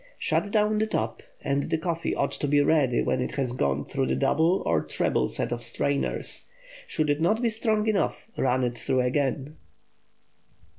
Shut down the top, and the coffee ought to be ready when it has gone through the double or treble set of strainers. Should it not be strong enough, run it through again.